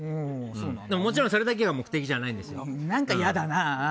もちろんそれだけが目的じゃない。